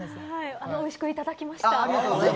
おいしくいただきました。